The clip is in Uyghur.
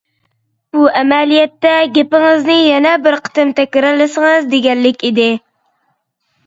بۇ ئەمەلىيەتتە گېپىڭىزنى يەنە بىر قېتىم تەكرارلىسىڭىز دېگەنلىك ئىدى.